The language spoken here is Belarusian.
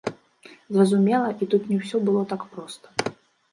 Зразумела, і тут не ўсё было так проста.